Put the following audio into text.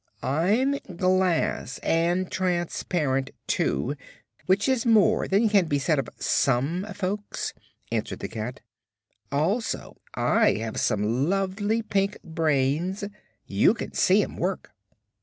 "I'm glass, and transparent, too, which is more than can be said of some folks," answered the cat. "Also I have some lovely pink brains; you can see 'em work."